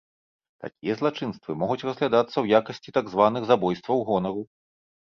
Такія злачынствы могуць разглядацца ў якасці так званых забойстваў гонару.